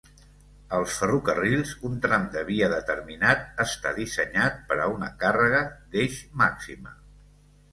Als ferrocarrils, un tram de via determinat està dissenyat per a una càrrega d'eix màxima.